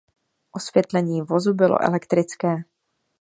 Osvětlení vozu bylo elektrické.